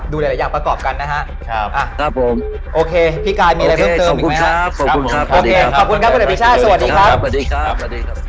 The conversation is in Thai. ดูหลายอย่างประกอบกันนะฮะพี่กายมีอะไรเพิ่มเติมอีกไหมฮะขอบคุณครับสวัสดีครับ